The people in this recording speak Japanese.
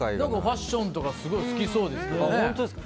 ファッションとかすごい好きそうですけどね。